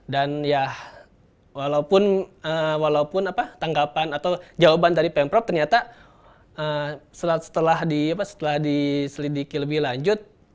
dan ya walaupun tanggapan atau jawaban dari pengprop ternyata setelah diselidiki lebih lanjut